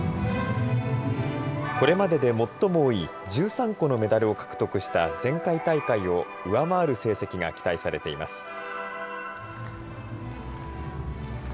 これまでで最も多い１３個のメダルを獲得した前回大会を上回る成績が期待されています。